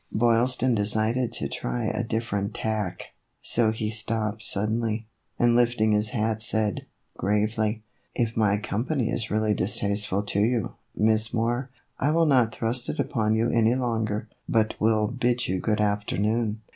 Boylston decided to try a different tack, so he stopped suddenly, and lifting his hat said, gravely :" If my company is really distasteful to you, Miss Moore, I will not thrust it upon you any longer, but will bid you good afternoon."